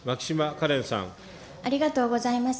ありがとうございます。